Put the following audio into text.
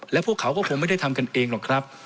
และพวกเขาก็คงไม่ได้ทำกันเองหรอกครับ